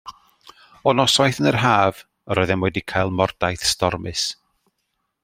O noswaith yn yr haf, yr oeddem wedi cael mordaith stormus.